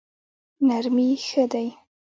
نرمي ښه دی.